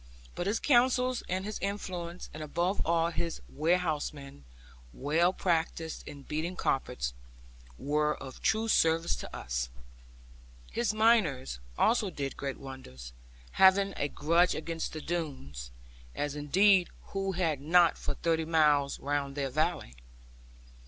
But his counsels, and his influence, and above all his warehousemen, well practised in beating carpets, were of true service to us. His miners also did great wonders, having a grudge against the Doones; as indeed who had not for thirty miles round their valley?